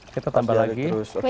kita tambah lagi